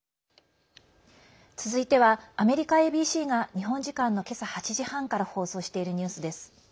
続いては、アメリカＡＢＣが日本時間の今朝８時半から放送しているニュースです。